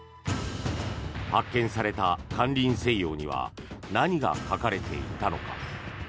発見された「間林清陽」には何が書かれていたのか。